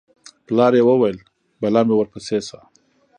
پلار یې وویل: بلا مې ورپسې شه